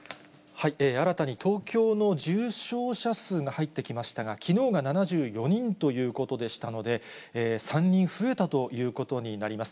新たに東京の重症者数が入ってきましたが、きのうが７４人ということでしたので、３人増えたということになります。